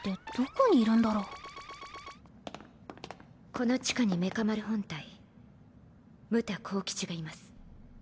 この地下にメカ丸本体与幸吉がいます。